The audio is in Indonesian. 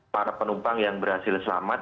para penumpang yang berhasil selamat